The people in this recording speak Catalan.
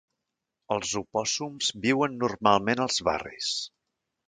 Els opòssums viuen normalment als barris.